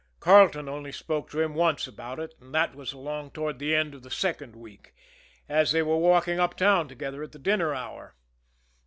Carleton only spoke to him once about it, and that was along toward the end of the second week, as they were walking uptown together at the dinner hour.